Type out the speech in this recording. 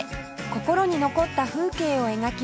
心に残った風景を描きます